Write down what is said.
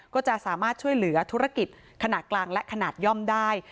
ก็จะสามารถช่วยเหลือธุรกิจขนาดกลางและขนาดย่อมได้